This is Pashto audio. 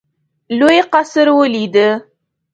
یو لوی قصر ولیدی.